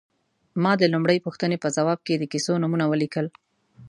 ما د لومړۍ پوښتنې په ځواب کې د کیسو نومونه ولیکل.